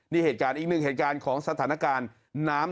นี่เหตุการณ์อีกหนึ่งเหตุการณ์ของสถานการณ์น้ำ